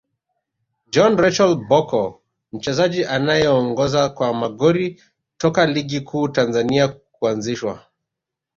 John Raphael Bocco Mchezaji anayeongoza kwa magori toka ligi kuu Tanzania kuanzishwa